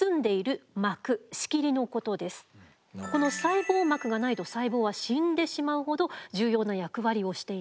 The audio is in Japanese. この細胞膜がないと細胞は死んでしまうほど重要な役割をしています。